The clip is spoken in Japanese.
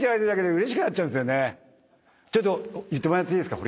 ちょっと言ってもらっていいですか。